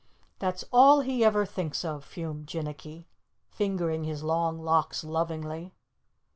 "That's all he ever thinks of," fumed Jinnicky, fingering his long locks lovingly.